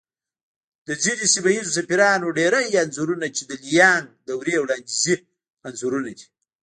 د ځينې سيمه ييزو سفيرانو ډېری انځورنه چې د ليانگ دورې وړانديزي انځورونه دي